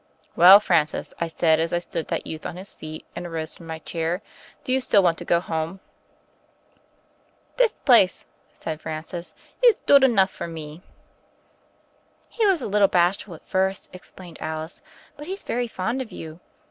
"Well, Francis," I said as I stood that youth on his feet and arose from my chair, "do you still want to go home ?" "This place," said Francis, "is dood enough for me." "He was a little bashful first," explained Alice, "but he's very fond of you.